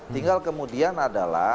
tinggal kemudian adalah